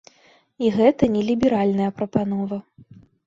І гэта не ліберальная прапанова.